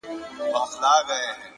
پرمختګ د پرلهپسې سمون نتیجه ده!